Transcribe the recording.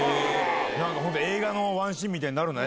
なんか、本当、映画のワンシーンみたいになるんだね。